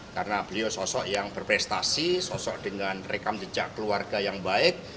karena beliau sosok yang berprestasi sosok dengan rekam jejak keluarga yang baik